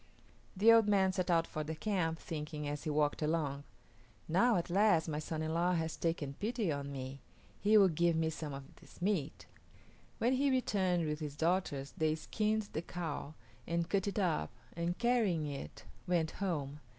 The old man set out for the camp, thinking, as he walked along, "Now, at last, my son in law has taken pity on me; he will give me some of this meat." When he returned with his daughters they skinned the cow and cut it up and, carrying it, went home.